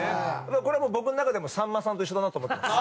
これは僕の中でさんまさんと一緒だなって思ってます。